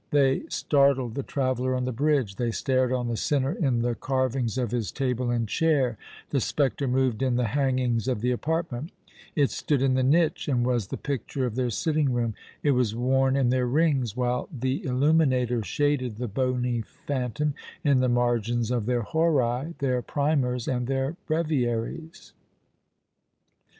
They startled the traveller on the bridge; they stared on the sinner in the carvings of his table and chair; the spectre moved in the hangings of the apartment; it stood in the niche, and was the picture of their sitting room; it was worn in their rings, while the illuminator shaded the bony phantom in the margins of their "Horæ," their primers, and their breviaries.